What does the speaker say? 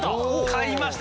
買いました